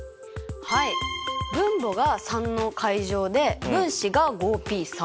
はい分母が３の階乗で分子がＰ。